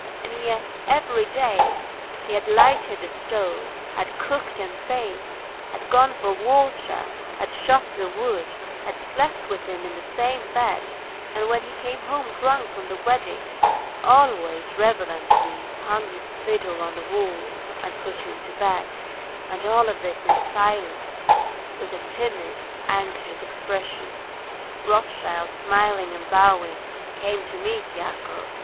And yet, every day, she had lighted the stove, had cooked and baked, had gone for the water, had chopped the wood, had slept with him in the same bed, and when he came home drunk from the weddings always reverently hung his fiddle on the wall and put him to bed, and all this in silence, with a timid, anxious expression. Rothschild, smiling and bowing, came to meet Yakov.